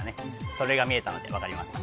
それが見えたので分かりました